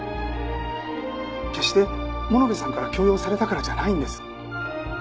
決して物部さんから強要されたからじゃないんです。